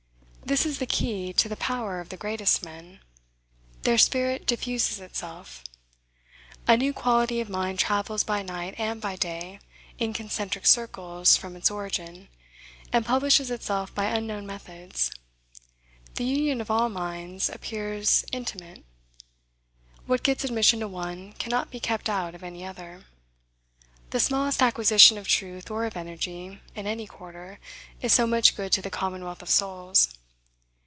This is the key to the power of the greatest men, their spirit diffuses itself. A new quality of mind travels by night and by day, in concentric circles from its origin, and publishes itself by unknown methods: the union of all minds appears intimate: what gets admission to one, cannot be kept out of any other: the smallest acquisition of truth or of energy, in any quarter, is so much good to the commonwealth of souls.